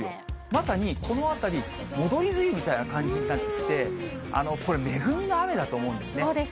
まさにこのあたり、戻り梅雨みたいな感じになって、これ、恵みの雨だと思うんですね。